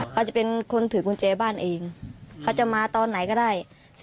เขาจะเป็นคนถือกุญแจบ้านเองเขาจะมาตอนไหนก็ได้